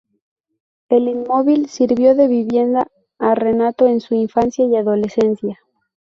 El inmóvil sirvió de vivienda a Renato en su infancia y adolescencia.